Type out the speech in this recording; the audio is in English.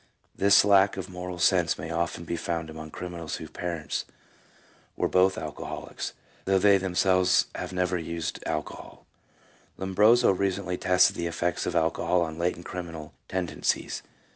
This lack of moral sense may often be found among criminals whose parents were both alcoholics, though they themselves have never used alcohol. 1 Lombroso recently tested the effects of alcohol on latent criminal tendencies.